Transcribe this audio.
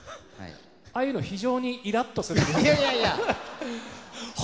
ああいうの非常にイラッとするんです。